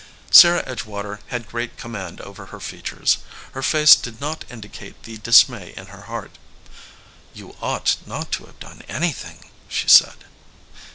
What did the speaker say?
* Sarah Edgewater had great command over her features. Her face did not indicate the dismay in her heart. "You ought not to have done any thing," she said.